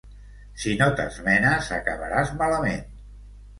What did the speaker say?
Si no t'esmenes, acabaràs malament.